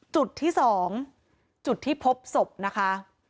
จุดที่๒จุดที่พบศพนะคะ